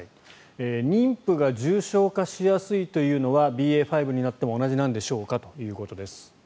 妊婦が重症化しやすいというのはＢＡ．５になっても同じなんでしょうか？ということです。